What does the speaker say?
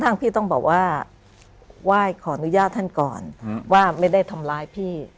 พี่ต้องบอกว่าไหว้ขออนุญาตท่านก่อนว่าไม่ได้ทำร้ายพี่